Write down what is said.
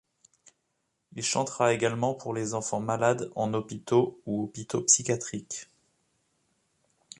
Il chantera également pour les enfants malades en hôpitaux ou hôpitaux psychiatriques.